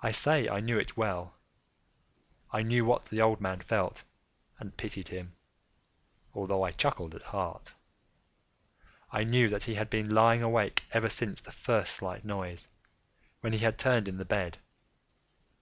I say I knew it well. I knew what the old man felt, and pitied him, although I chuckled at heart. I knew that he had been lying awake ever since the first slight noise, when he had turned in the bed.